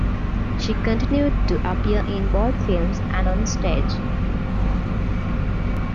She continued to appear in both films and on stage.